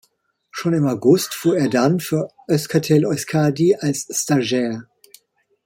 Schon im August fuhr er dann für Euskaltel-Euskadi als Stagiaire.